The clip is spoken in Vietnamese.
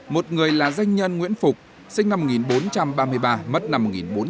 một người là danh nhân nguyễn phục sinh năm một nghìn bốn trăm ba mươi ba mất năm một nghìn bốn trăm bốn mươi